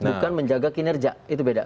bukan menjaga kinerja itu beda